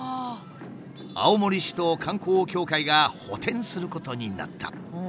青森市と観光協会が補てんすることになった。